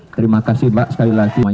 terima kasih mbak sekali lagi